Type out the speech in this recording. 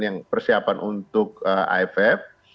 yang persiapan untuk aff